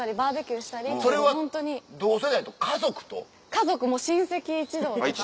家族親戚一同とか。